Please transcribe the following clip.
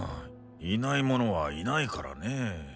いないものはいないからねえ。